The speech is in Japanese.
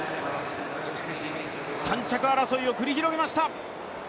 ３着争いを繰り広げました。